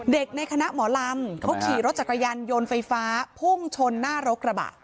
ในคณะหมอลำเขาขี่รถจักรยานยนต์ไฟฟ้าพุ่งชนหน้ารกระบะ